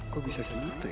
kok bisa segitu ya